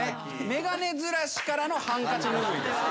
メガネずらしからのハンカチ拭いですよね。